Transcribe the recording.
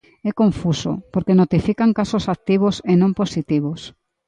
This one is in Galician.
É confuso, porque notifican casos activos e non positivos.